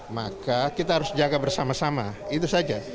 maka kita harus jaga bersama sama itu saja